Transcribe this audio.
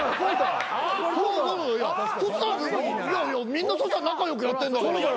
みんなそしたら仲良くやってんだから。